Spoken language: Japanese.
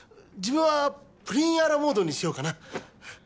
自分はプリン・ア・ラ・モードにしようかな。